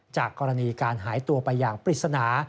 จากกรณีการหายตัวไปอย่างปริศนา